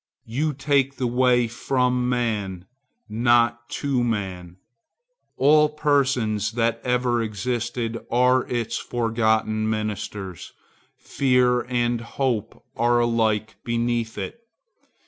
You take the way from man, not to man. All persons that ever existed are its forgotten ministers. Fear and hope are alike beneath it.